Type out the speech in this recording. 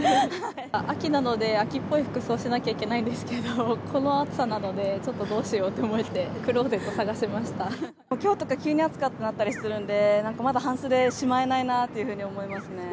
秋なので、秋っぽい服装をしなきゃいけないんですけど、この暑さなので、ちょっとどうしようって思って、きょうとか急に暑くなったりするんで、なんかまだ半袖しまえないなというふうに思いますね。